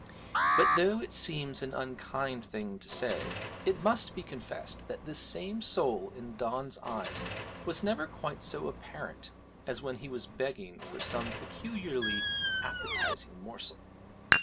But, though it seems an unkind thing to say, it must be confessed that this same soul in Don's eyes was never quite so apparent as when he was begging for some peculiarly appetising morsel.